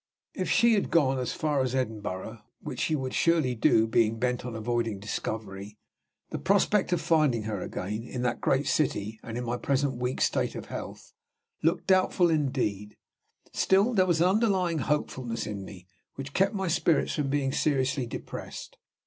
If she had gone as far as Edinburgh (which she would surely do, being bent on avoiding discovery), the prospect of finding her again in that great city, and in my present weak state of health looked doubtful indeed. Still, there was an underlying hopefulness in me which kept my spirits from being seriously depressed.